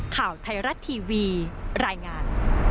ข่าวไทยรัฐทีวีรายงาน